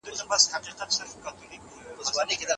که تاسي په پښتو کي نوي علوم راوړئ پښتو به بډایه سي.